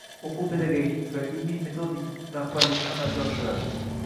o`quv-pedagogik va ilmiy-metodik rahbarlikni amalga oshiradi.